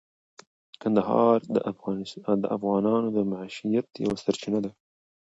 کندهار د افغانانو د معیشت یوه سرچینه ده.